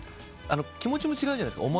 気持ちも違うじゃないですか。